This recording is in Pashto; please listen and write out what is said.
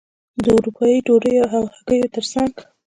د اروپايي ډوډیو او هګیو ترڅنګ.